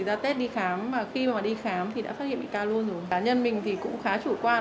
ra tết đi khám và khi mà đi khám thì đã phát hiện bị ca luôn rồi cá nhân mình thì cũng khá chủ quan